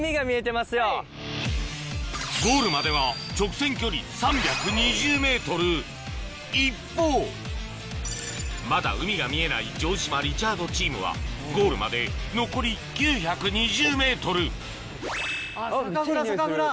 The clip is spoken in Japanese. ゴールまでは直線距離一方まだ海が見えない城島・リチャードチームはゴールまで残り９２０ｍめっちゃいい匂いする酒蔵。